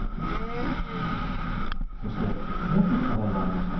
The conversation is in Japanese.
そして、もうひとつ課題がありました。